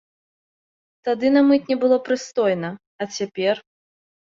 Тады на мытні было прыстойна, а цяпер?